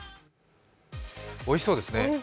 おいしそうですね。